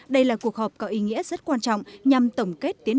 đây là cuộc họp có ý nghĩa rất quan trọng